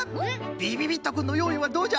びびびっとくんのよういはどうじゃ？